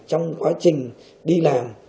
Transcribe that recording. trong quá trình đi làm